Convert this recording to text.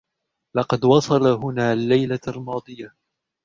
لقد وصل هُنا الليلة الماضية.